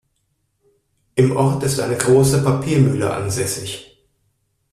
Im Ort ist eine große Papiermühle ansässig.